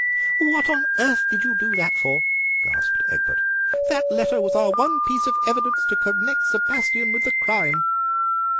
"What on earth did you do that for?" gasped Egbert. "That letter was our one piece of evidence to connect Sebastien with the crime."